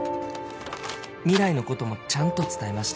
「未来の事もちゃんと伝えました」